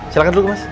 silahkan dulu mas